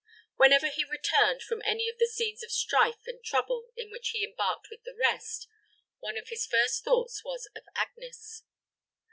Whenever he returned from any of the scenes of strife and trouble in which he embarked with the rest, one of his first thoughts was of Agnes.